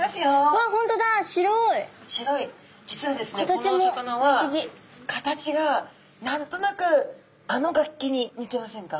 このお魚は形が何となくあの楽器に似てませんか？